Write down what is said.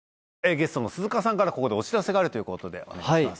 ゲストの鈴鹿さんからここでお知らせがあるということでお願いします